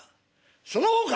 その方か！